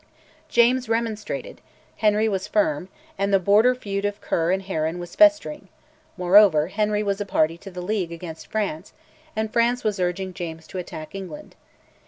James remonstrated, Henry was firm, and the Border feud of Ker and Heron was festering; moreover, Henry was a party to the League against France, and France was urging James to attack England.